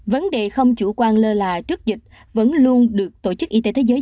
vấn đề không chủ quan lơ là trước dịch vẫn luôn được tổ chức y tế thế giới